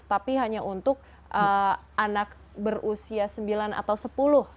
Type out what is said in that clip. tapi hanya untuk anak berusia sembilan atau sepuluh